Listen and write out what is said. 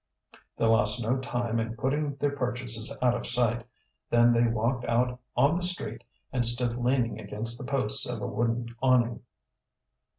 They lost no time in putting their purchases out of sight. Then they walked out on the street and stood leaning against the posts of a wooden awning.